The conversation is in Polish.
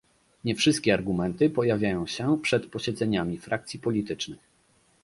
Nie wszystkie argumenty pojawiają się przed posiedzeniami frakcji politycznych